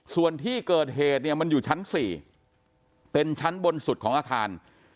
ส่วนที่เกิดเหตุเนี่ยมันอยู่ชั้น๔เป็นชั้นบนสุดของอาคาร